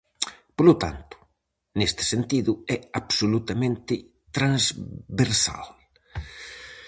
Polo tanto, neste sentido é absolutamente transversal.